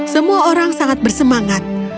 semua orang sangat bersemangat